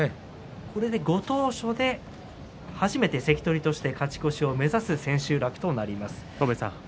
これでご当所で初めて関取として勝ち越しを目指す千秋楽となりました。